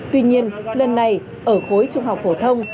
tuy nhiên lần này ở khối trung học phổ thông